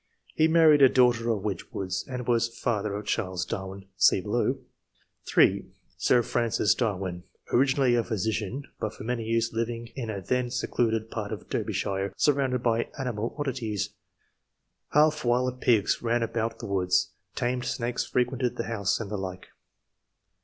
He married a daughter of Wedge wood's, and was father of Charles Darwin (see below); (3) Sir I.] ANTECEDENTS, 47 Francis Darwin, originally a physician, but for many years living in a then secluded part of Derbyshire, surrounded by animal oddities ; half wild pigs ran about the woods, tamed snakes frequented the house, and the like.